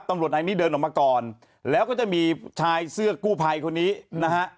ตำรวจนายนี้เดินออกมาก่อนแล้วก็จะมีชายเสื้อกู้ภัยคนนี้นะฮะ